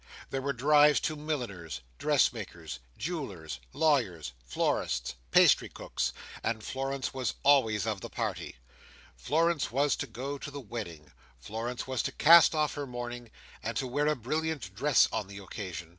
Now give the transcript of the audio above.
There were drives to milliners, dressmakers, jewellers, lawyers, florists, pastry cooks; and Florence was always of the party. Florence was to go to the wedding. Florence was to cast off her mourning, and to wear a brilliant dress on the occasion.